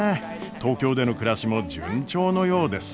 東京での暮らしも順調のようです。